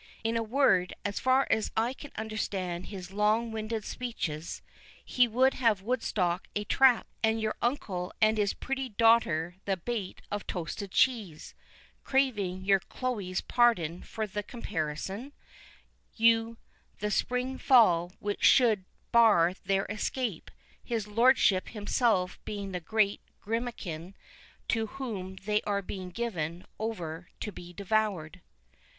In a word, as far as I can understand his long winded speeches, he would have Woodstock a trap, your uncle and his pretty daughter the bait of toasted cheese—craving your Chloe's pardon for the comparison—you the spring fall which should bar their escape, his Lordship himself being the great grimalkin to whom they are to be given over to be devoured."